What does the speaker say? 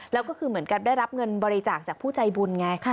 แล้วก็คือเหมือนกับได้รับเงินบริจาคจากผู้ใจบุญไง